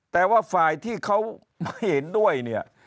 แต่ว่าฝ่ายที่เขาไม่เห็นด้วยเนี่ย